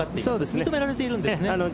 認められているんですね。